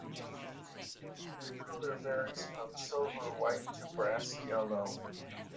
The color varies from silver-white to brass-yellow.